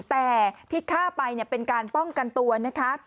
แต่ที่ฆ่าไปเป็นการป้องกันตัวนะคะ